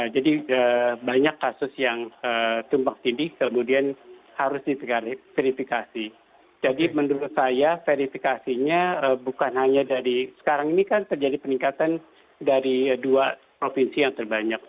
jadi banyak kasus yang tumbang tinggi kemudian harus di verifikasi jadi menurut saya verifikasinya bukan hanya dari sekarang ini kan terjadi peningkatan dari dua provinsi yang terbanyak